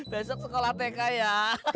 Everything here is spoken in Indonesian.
besok sekolah tk ya